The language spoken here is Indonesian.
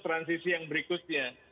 transisi yang berikutnya